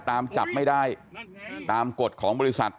ตามจับไม่ได้ตามกฎของบริษัท